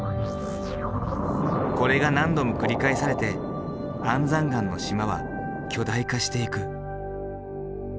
これが何度も繰り返されて安山岩の島は巨大化していく。